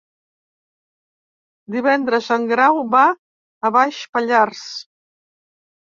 Divendres en Grau va a Baix Pallars.